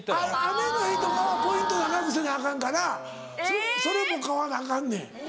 雨の日とかはポイント長くせなアカンからそれも買わなアカンねん。